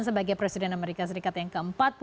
sebagai presiden amerika serikat yang ke empat puluh lima